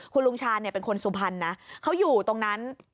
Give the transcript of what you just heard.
คุณลุงชาญเป็นคนสุพรรณนะเขาอยู่ตรงนั้น